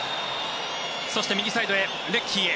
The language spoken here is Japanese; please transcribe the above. そして右サイド、レッキーへ。